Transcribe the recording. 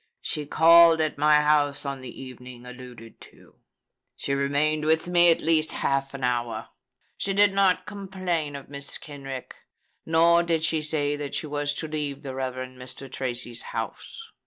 She called at my house on the evening alluded to. She remained with me at least half an hour. She did not complain of Mrs. Kenrick; nor did she say that she was to leave the Rev. Mr. Tracy's house.